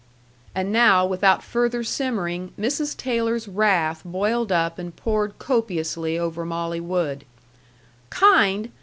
And now without further simmering, Mrs. Taylor's wrath boiled up and poured copiously over Molly Wood. "Kind!